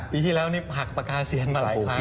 ปีที่แล้วนี่ผักปากกาเซียนมาหลายครั้ง